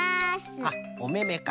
あっおめめか。